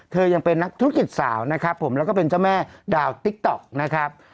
เธอยังเป็นนักธุรกิจสาวนะครับและแก่เว่ย์ด่าวติ๊กต๊อกนะครับ